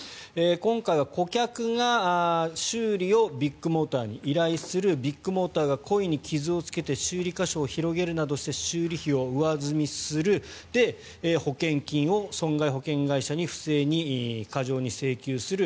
今回は顧客が修理をビッグモーターに依頼するビッグモーターが故意に傷をつけて修理箇所を広げるなどして修理費を上積みするで、保険金を損害保険会社に不正に過剰に請求する。